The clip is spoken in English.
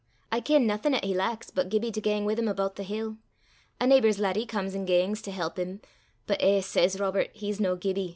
I ken naething 'at he lacks, but Gibbie to gang wi' 'im aboot the hill. A neebour's laddie comes an' gangs, to help him, but, eh, says Robert, he's no Gibbie!